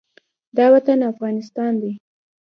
دا وطن افغانستان دی